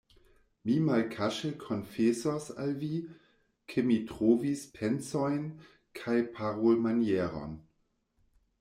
Mi malkaŝe konfesos al vi, ke mi trovis pensojn kaj parolmanieron.